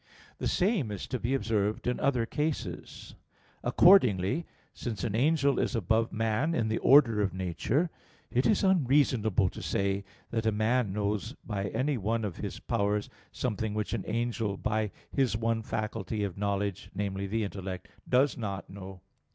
The same is to be observed in other cases. Accordingly, since an angel is above man in the order of nature, it is unreasonable to say that a man knows by any one of his powers something which an angel by his one faculty of knowledge, namely, the intellect, does not know.